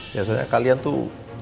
biasanya kalian tuh